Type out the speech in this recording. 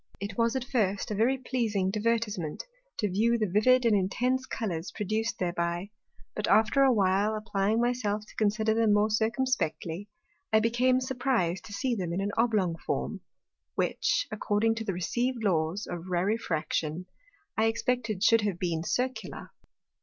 It was at first a very pleasing Divertisement, to view the vivid and intense Colours produced thereby; but after a while applying my self to consider them more circumspectly, I became surpriz'd to see them in an oblong Form; which, according to the received Laws of Rarefraction, I expected should have been Circular.